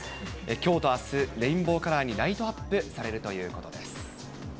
きょうとあす、レインボーカラーにライトアップされるということです。